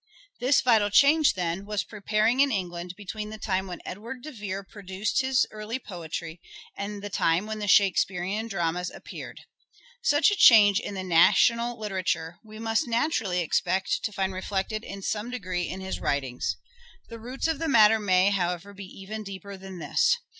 This vital change, then, was preparing in England between the time when Edward de Vere produced his early poetry and the time when the Shakespearean dramas appeared. Such a change in the national literature we must naturally expect to find reflected in some degree in his writings. The roots of the matter may, however, be even deeper than this.